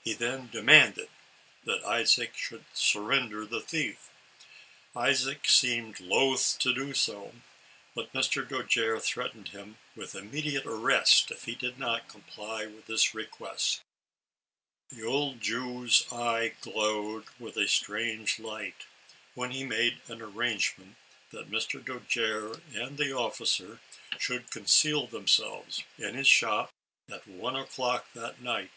He then demanded that Isaac 'should surrender the thief. Isaac seemed loth to do so, but Mr. Dojere threatened him with immediate arrest, if he did not comply with his request. The old Jew's eye glowed, with a strange light, when he made an arrangement that Mr. Dojere and the officer should conceal them selves, in his shop, * at i o'clock, that night.